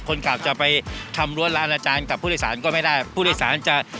กลับจะไปทำรั้วร้านอาจารย์กับผู้โดยสารก็ไม่ได้ผู้โดยสารจะ